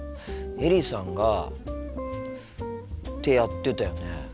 エリさんがってやってたよね。